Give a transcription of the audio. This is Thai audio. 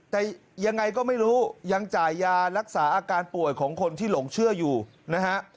แต่ยังไงก็ไม่รู้ยังจ่ายยารักษาอาการป่วยของคนที่หลงเชื่ออยู่นะฮะ